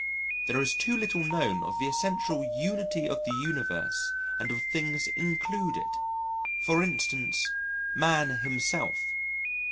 There is too little known of the essential unity of the Universe and of things included, for instance, man himself.